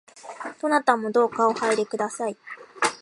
どなたもどうかお入りください